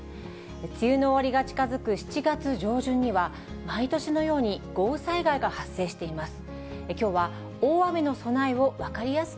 梅雨の終わりが近づく７月上旬には、毎年のように豪雨災害が発生しています。